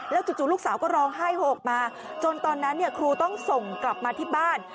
จู่ลูกสาวก็ร้องไห้โหกมาจนตอนนั้นครูต้องส่งกลับมาที่บ้าน